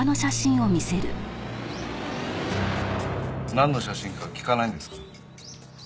なんの写真か聞かないんですか？